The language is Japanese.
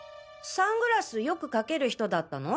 サングラスよくかける人だったの？